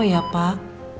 oh ya pak